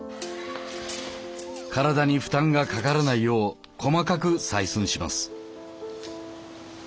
体に負担がかからないよう細かく採寸します。